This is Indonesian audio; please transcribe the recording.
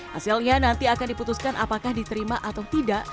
hasilnya nanti akan diputuskan apakah diterima atau tidak